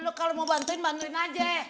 lo kalau mau bantuin bantuin aja